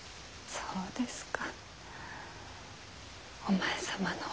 そうですか。